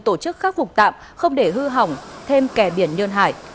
tổ chức khắc phục tạm không để hư hỏng thêm kè biển nhơn hải